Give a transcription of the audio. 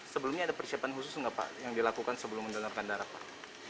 sebelumnya ada persiapan khusus nggak pak yang dilakukan sebelum mendonorkan darah pak